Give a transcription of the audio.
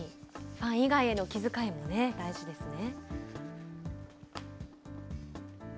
ファン以外への気遣いもね、大事ですね。